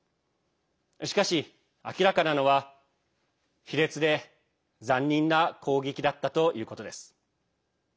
しかし、明らかなのは卑劣で残忍な攻撃だったということです。